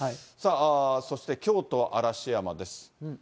そして京都・嵐山です。